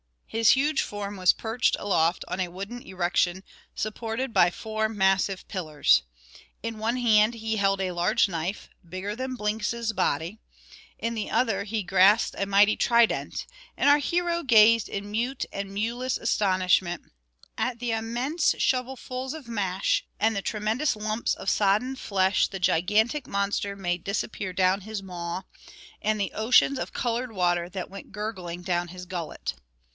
His huge form was perched aloft on a wooden erection supported by four massive pillars. In one hand he held a large knife, bigger than Blinks's body; in the other he grasped a mighty trident, and our hero gazed in mute and mewless astonishment, at the immense shovelfuls of mash, and the tremendous lumps of sodden flesh the gigantic monster made disappear down his maw, and the oceans of coloured water that went gurgling down his gullet.